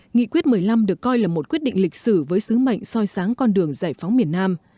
nghị quyết một mươi năm được coi là một quyết định lịch sử với sứ mệnh soi sáng con đường giải phóng miền nam